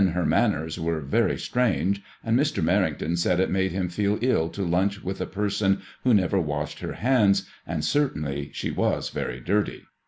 her manners were very strange^ and Mr. Merrington said it made him feel ill to lunch with a per* son who never washed her hands, and certainly she was very dirty.